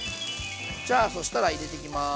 じゃあそしたら入れていきます。